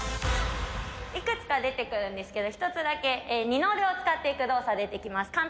いくつか出てくるんですけど、１つだけ、二の腕を使っている動作出てきます。